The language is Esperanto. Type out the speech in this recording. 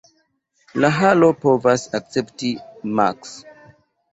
La halo povas akcepti maks.